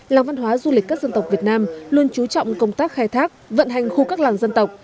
làng văn hóa du lịch các dân tộc việt nam luôn trú trọng công tác khai thác vận hành khu các làng dân tộc